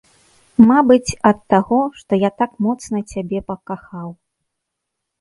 Мабыць, ад таго, што я так моцна цябе пакахаў.